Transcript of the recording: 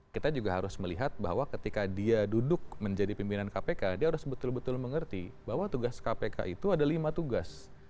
kita juga harus melihat bahwa ketika dia duduk menjadi pimpinan kpk dia harus betul betul mengerti bahwa tugas kpk itu ada lima tugas